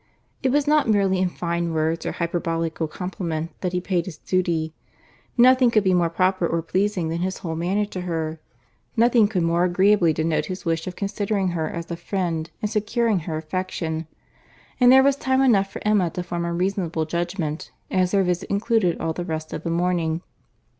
It was not merely in fine words or hyperbolical compliment that he paid his duty; nothing could be more proper or pleasing than his whole manner to her—nothing could more agreeably denote his wish of considering her as a friend and securing her affection. And there was time enough for Emma to form a reasonable judgment, as their visit included all the rest of the morning.